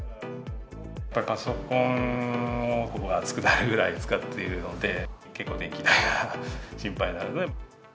パソコンを、ここが熱くなるくらい使っているので、結構電気代が心配になるので。